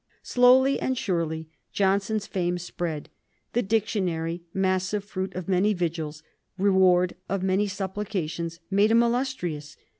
Slowly and surely Johnson's fame spread. The "Dictionary," massive fruit of many vigils, reward of many supplications, made him illustrious.